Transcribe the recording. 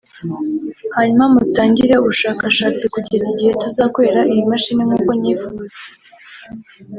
hanyuma mutangire ubushakashatsi kugeza igihe tuzakorera iyi mashini nk’uko nyifuza”